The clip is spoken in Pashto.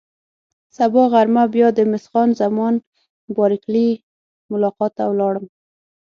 سبا غرمه بیا د مس خان زمان بارکلي ملاقات ته ولاړم.